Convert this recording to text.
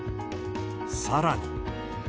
さらに。